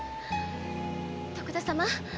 徳田様